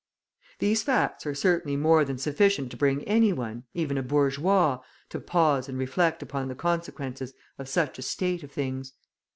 These facts are certainly more than sufficient to bring any one, even a bourgeois, to pause and reflect upon the consequences of such a state of things.